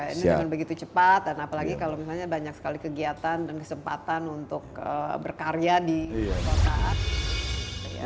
ini dengan begitu cepat dan apalagi kalau misalnya banyak sekali kegiatan dan kesempatan untuk berkarya di kota